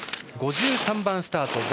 ５３番スタート